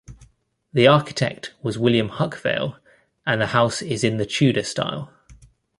The architect was William Huckvale and the house is in the Tudor style.